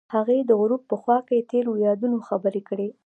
هغوی د غروب په خوا کې تیرو یادونو خبرې کړې.